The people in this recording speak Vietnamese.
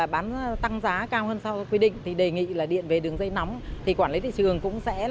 bán tăng giá cao hơn sau quy định thì đề nghị điện về đường dây nóng thì quản lý thị trường cũng sẽ